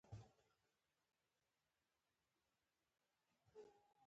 آیا کلي د افغانستان اقتصادي ستون فقرات دي؟